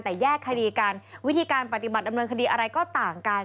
แต่แยกคดีกันวิธีการปฏิบัติดำเนินคดีอะไรก็ต่างกัน